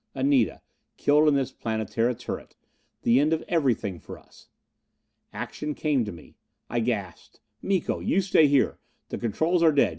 Anita, killed in this Planetara turret. The end of everything for us. Action came to me. I gasped, "Miko, you stay here! The controls are dead!